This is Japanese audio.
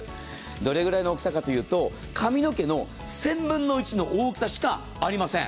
どれくらいの大きさかというと髪の毛の１０００分の１の大きさしかありません。